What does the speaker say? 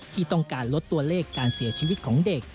ที่ต้องการลดตัวเลขการเสียชีวิตของเด็ก